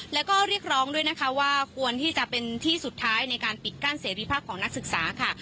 แล้วก็เรียกร้องด้วยนะคะว่าควรที่จะเป็นที่สุดท้ายในการปิดกั้นเสรีภาพของนักศึกษาค่ะ